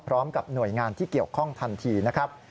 พร้อมกับหน่วยงานที่เกี่ยวข้องทันทีนะครับ